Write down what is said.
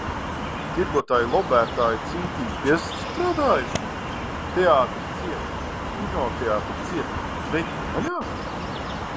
Tirgotāju lobētāji cītīgi piestrādājuši? Teātri ciet, kinoteātri ciet, bet veikali vaļā?